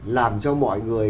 làm cho mọi người